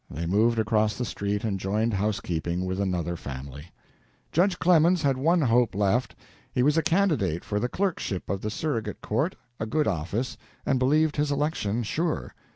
They moved across the street and joined housekeeping with another family. Judge Clemens had one hope left. He was a candidate for the clerkship of the surrogate court, a good office, and believed his election sure.